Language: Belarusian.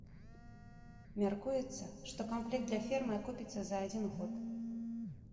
Мяркуецца, што камплект для фермы акупіцца за адзін год.